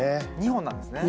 ２本なんですね。